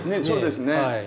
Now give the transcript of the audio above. そうですね。